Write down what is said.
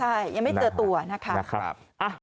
ใช่ยังไม่เจอตัวนะคะ